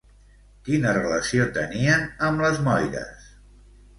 Quina relació tenien amb les Moires?